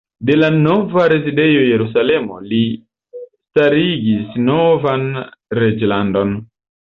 De la nova rezidejo Jerusalemo li starigis novan reĝlandon.